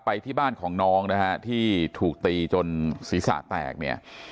ไปที่บ้านของน้องนะฮะที่ถูกตีจนศีรษะแตกเนี่ย